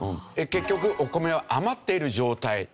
結局お米は余っている状態。